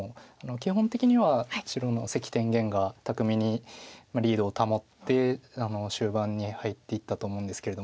基本的には白の関天元が巧みにリードを保って終盤に入っていったと思うんですけれども。